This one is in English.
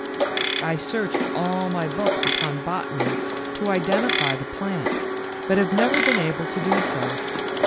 I searched all my books upon botany to identify the plant, but have never been able to do so.